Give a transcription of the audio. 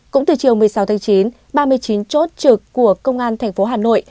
cũng từ chiều một mươi sáu tháng chín ba mươi chín chốt trực của công an thành phố hà nội